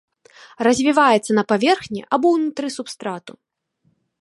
Развіваецца на паверхні або ўнутры субстрату.